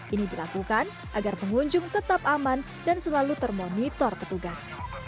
ini dilakukan agar pengunjung tetap aman dan selalu termonitor petugas